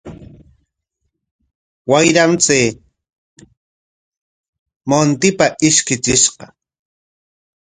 Wayram chay muntita ishkichishqa.